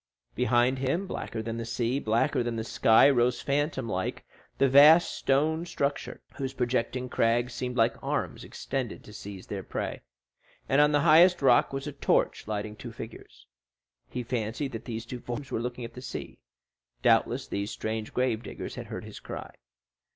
Behind him, blacker than the sea, blacker than the sky, rose phantom like the vast stone structure, whose projecting crags seemed like arms extended to seize their prey, and on the highest rock was a torch lighting two figures. He fancied that these two forms were looking at the sea; doubtless these strange grave diggers had heard his cry.